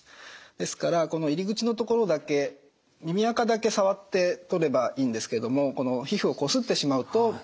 ですからこの入り口のところだけ耳あかだけ触って取ればいいんですけれどもこの皮膚をこすってしまうと炎症を起こす。